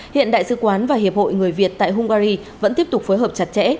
hiện đại sứ quán và hiệp hội người việt tại hungary vẫn tiếp tục phối hợp chặt chẽ